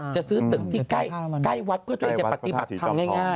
จะซื้อตึกที่ใกล้วัดเพื่อปฏิบัติทำง่าย